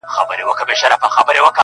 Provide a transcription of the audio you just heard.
زما گراني مهرباني گلي .